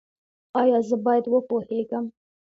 ایا زه باید وپوهیږم؟